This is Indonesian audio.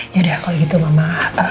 ya udah kalau gitu mama